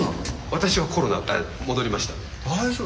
私はコロナ、戻りました。